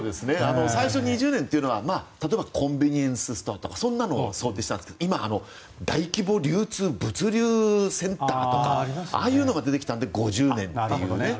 最初２０年というのは例えばコンビニエンスストアとかそんなのを想定しますけど今は大規模流通物流センターとかああいうのが出てきたので５０年というね。